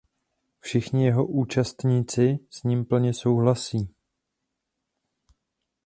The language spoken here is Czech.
Všichni jeho "účastníci" s ním plně souhlasí.